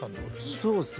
そうですね